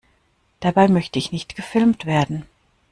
Dabei möchte ich nicht gefilmt werden!